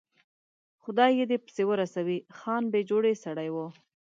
خدای یې دې پسې ورسوي، خان بې جوړې سړی و.